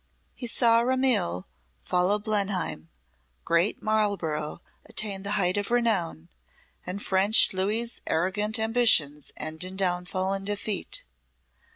He saw Ramillies follow Blenheim, great Marlborough attain the height of renown, and French Louis's arrogant ambitions end in downfall and defeat.